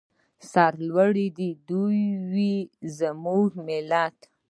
سرلوړی دې وي زموږ ملت.